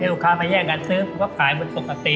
ถ้าลูกค้ามาแยกกันซื้อผมก็ขายบนปกติ